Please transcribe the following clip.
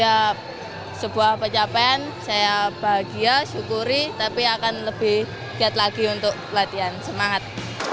ya sebuah pencapaian saya bahagia syukuri tapi akan lebih giat lagi untuk latihan semangat